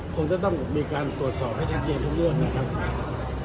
คงจะต้องมีการตรวจสอบให้ชัดเจนทุกเรื่องนะครับ